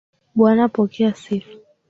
Bwana pokea sifa.